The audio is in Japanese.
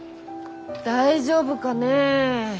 大丈夫かねえ？